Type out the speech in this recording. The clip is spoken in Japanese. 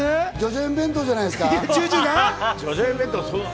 叙々苑弁当じゃないですか？